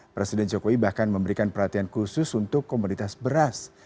presiden jokowi bahkan memberikan perhatian khusus untuk komoditas beras